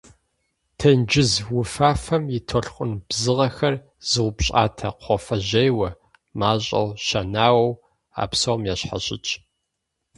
Тенджыз уфафэм и толъкъун бзыгъэхэр зыупщӏатэ кхъуафэжьейуэ, мащӏэу щэнауэу, а псом ящхьэщытщ.